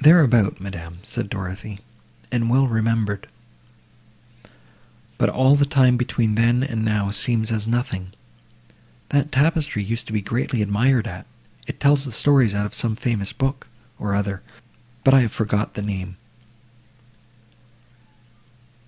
"Thereabout, madam," said Dorothée, "and well remembered, but all the time between then and now seems as nothing. That tapestry used to be greatly admired at, it tells the stories out of some famous book, or other, but I have forgot the name."